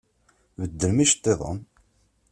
Beddlem iceṭṭiḍen!